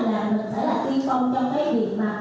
là mình sẽ là tiên công trong cái việc